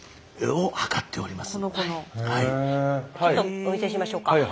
ちょっとお見せしましょうか。